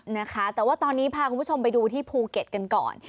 นะคะแต่ว่าตอนนี้พาคุณผู้ชมไปดูที่ภูเก็ตกันก่อน